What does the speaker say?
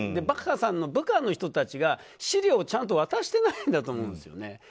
バッハさんの部下の人たちが資料をちゃんと渡してないんだと思うんです。